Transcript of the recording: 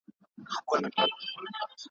په لاهور کي بیا ټومبلی بیرغ غواړم ,